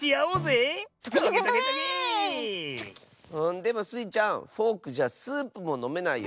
でもスイちゃんフォークじゃスープものめないよ。